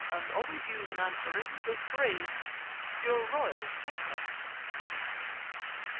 And always use, in answering, The phrase 'Your Royal Whiteness!